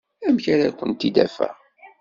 Amek ara kent-id-afeɣ?